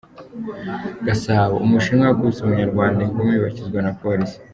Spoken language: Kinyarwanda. Gasabo:Umushinwa yakubise umunyarwanda ingumi bakizwa na Polisi.